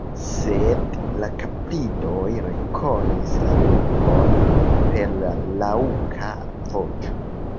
Sed la kapridoj rekonis la lupon per la raŭka voĉo.